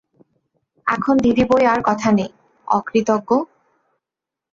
এখন দিদি বৈ আর কথা নেই– অকৃতজ্ঞ!